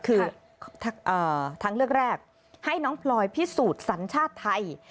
คือทางเลือกแรกให้น้องพลอยพิสูจน์สัญชาติไทย